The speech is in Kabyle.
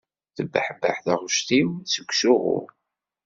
Tebbeḥbeḥ taɣect-iw seg usuɣu.